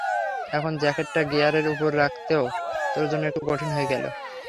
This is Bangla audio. এখন জ্যাকেট টা গিয়ারের উপরে রাখতেও তোর জন্য একটু কঠিন হয়ে গেলো।